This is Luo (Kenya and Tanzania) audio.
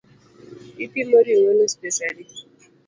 Ipimo ring’o nus pesa adi?